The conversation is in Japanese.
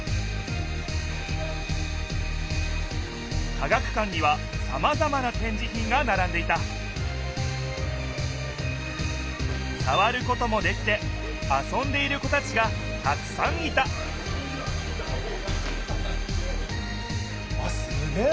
科学館にはさまざまなてんじひんがならんでいたさわることもできてあそんでいる子たちがたくさんいたあっすげえ！